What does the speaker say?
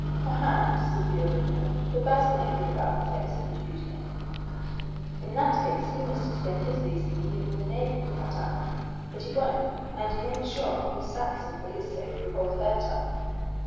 "Perhaps," said the other again; "but Basil may have been about the place and have accused me." "In that case he must explain his reason for being in the neighborhood at that hour. But he won't, and you may be sure Miss Saxon, for his sake, will hold her tongue.